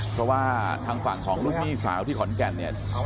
เพราะว่าทางฝั่งของลูกหนี้สาวที่ขอนแก่นเนี่ย